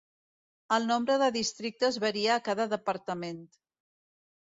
El nombre de districtes varia a cada departament.